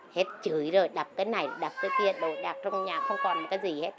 hết chửi rồi đập cái này đập cái kia đập trong nhà không còn cái gì hết